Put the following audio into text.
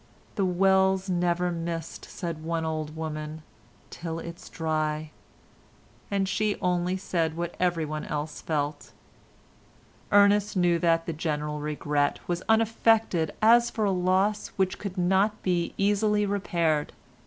"The well's never missed," said one old woman, "till it's dry," and she only said what everyone else felt. Ernest knew that the general regret was unaffected as for a loss which could not be easily repaired.